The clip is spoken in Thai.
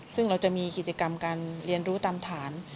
ซึ่งเราจะมีกิจกรรมการเรียนรู้ตามฐาน